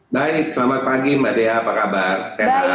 baik selamat pagi mbak dea apa kabar sehat